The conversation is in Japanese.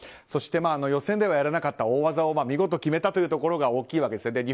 そして予選ではやらなかった大技を見事決めたというところが大きいわけですね。